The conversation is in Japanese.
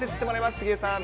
杉江さん。